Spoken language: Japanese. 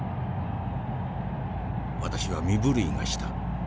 私は身震いがした。